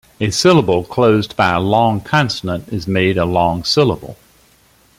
A syllable closed by a long consonant is made a long syllable.